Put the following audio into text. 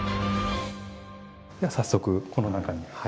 では早速この中に。